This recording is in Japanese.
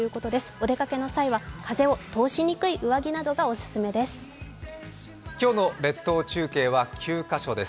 お出かけの際は風を通しにくい上着などがお勧めです。